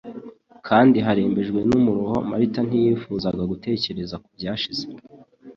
kandi harembejwe n'umuruho. Marita ntiyifuzaga gutekereza ku byashize.